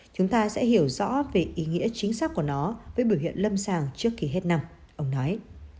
chúng ta sẽ hiểu rõ về ý nghĩa chính xác của nó với biểu hiện lâm sàng trước khi hết năm ông nói